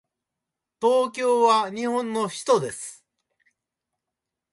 東京は日本の首都です。